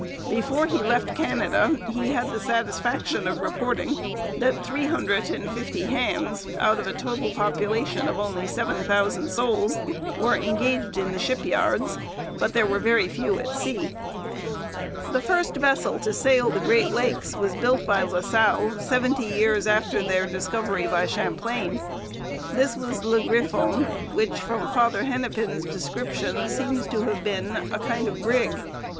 Before he left Canada he had the satisfaction of reporting that three hundred and fifty hands, out of a total population of only seven thousand souls, were engaged in the shipyards. But there were very few at sea. The first vessel to sail the Great Lakes was built by La Salle seventy years after their discovery by Champlain. This was Le Griffon, which, from Father Hennepin's description, seems to have been a kind of brig.